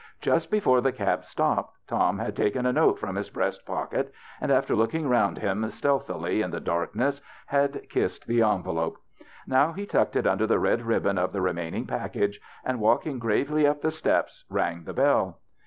Just before the cab stopped Tom had taken a note from his breast pocket, and, after looking round him stealthily in the darkness, had kissed the envelope. Now he tucked it under the red ribbon of the remain ing package, and walking gravely up the steps, rang the bell.